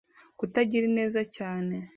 kutagira ineza cyane